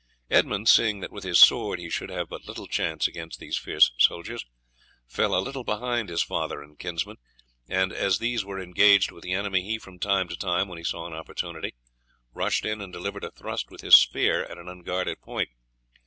Edmund, seeing that with his sword he should have but little chance against these fierce soldiers, fell a little behind his father and kinsman, and as these were engaged with the enemy he from time to time, when he saw an opportunity, rushed in and delivered a thrust with his spear at an unguarded point.